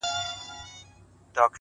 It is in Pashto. په يوه تار پېيلي زړونه شلېږي;